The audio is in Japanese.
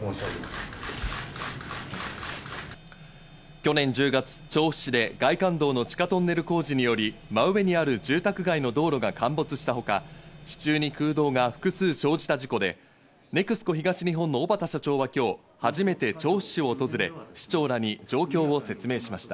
去年１０月、調布市で外環道の地下トンネル工事により、真上にある住宅街の道路が陥没したほか、地中に空洞が複数生じた事故で、ＮＥＸＣＯ東日本の小畠社長は今日初めて調布市を訪れ、市長らに状況を説明しました。